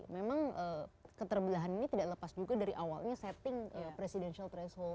memang keterbelahan ini tidak lepas juga dari awalnya setting presidential threshold